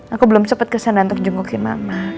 aku belum cepat kesana untuk jungkukin mama